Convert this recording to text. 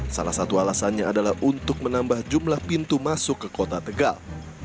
salah satu alasannya adalah untuk menambah jumlah pintu masuk ke kota tegal